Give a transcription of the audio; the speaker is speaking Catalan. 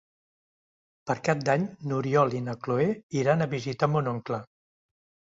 Per Cap d'Any n'Oriol i na Cloè iran a visitar mon oncle.